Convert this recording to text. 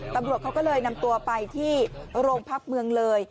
ตำรวจเขาก็เลยนำตัวไปที่โรงพักเมืองเลย